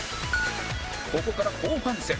ここから後半戦